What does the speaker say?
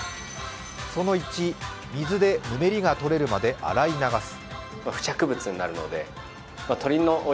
その１、水でぬめりが取れるまで洗い流す。